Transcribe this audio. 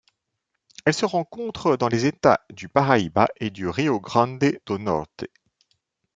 Elle se rencontre dans les États du Paraíba et du Rio Grande do Norte.